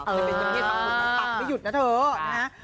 จะเป็นเจ้าเบี้ยต่อไม่หยุดนะเถอะ